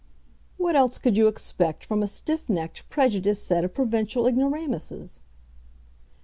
"What else could you expect from a stiff necked, prejudiced set of provincial ignoramuses?"